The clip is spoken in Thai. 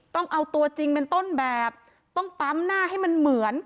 ต้องเอาตัวจริงเป็นต้นแบบต้องปั๊มหน้าให้มันเหมือน